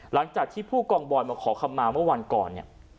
หลังจากที่ผู้กองบอยมาขอคำมาเมื่อวันก่อนเนี่ย